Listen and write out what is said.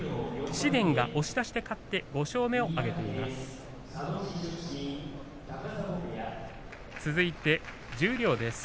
紫雷が押し出しで勝って５勝目を挙げています。